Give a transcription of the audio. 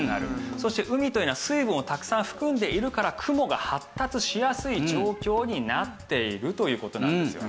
そして海というのは水分をたくさん含んでいるから雲が発達しやすい状況になっているという事なんですよね。